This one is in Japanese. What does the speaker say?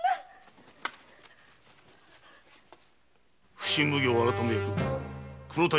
普請奉行改め役・黒谷